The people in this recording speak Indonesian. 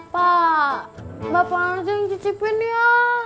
pak bapak harus yang cicipin ya